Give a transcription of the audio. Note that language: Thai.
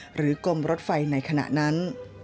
หรือกลมรถไฟในขณะนั้น